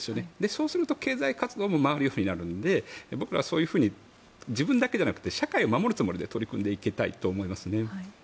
そうすると経済活動も回るようになるので僕らはそういうふうに自分だけじゃなくて社会を守るつもりで取り組んでいきたいと思いますね。